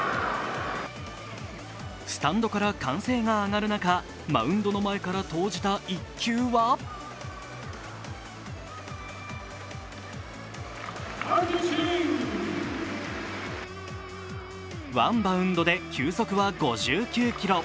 スタンドから歓声が上がる中マウンドの前から投じた一球はワンバウンドで球速は５９キロ。